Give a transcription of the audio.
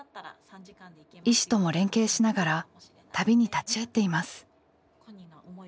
医師とも連携しながら旅に立ち会っています。